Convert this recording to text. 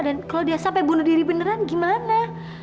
dan kalau dia sampai bunuh diri beneran gimana